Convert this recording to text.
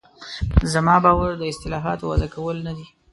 زما باور د اصطلاحاتو وضع کول نه دي.